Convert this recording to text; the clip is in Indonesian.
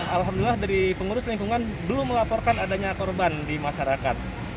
alhamdulillah dari pengurus lingkungan belum melaporkan adanya korban di masyarakat